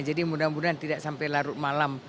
jadi mudah mudahan tidak sampai larut malam